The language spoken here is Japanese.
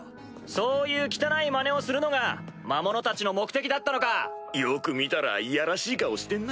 そういう汚いまねをするのが魔物たちの目的だったのか⁉よく見たらいやらしい顔してんな。